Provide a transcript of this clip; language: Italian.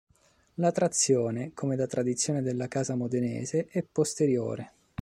La trazione, come da tradizione della casa modenese, è posteriore.